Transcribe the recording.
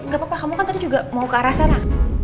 gak apa apa kamu kan tadi juga mau ke arah sana